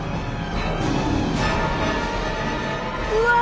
うわ！